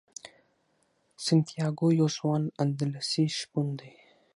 سانتیاګو یو ځوان اندلسي شپون دی.